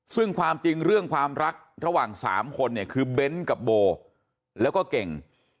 ซึ่งความจริงเรื่องความรักระหว่าง๓คนเนี่ยคือเบ้นกับโบแล้วก็เก่ง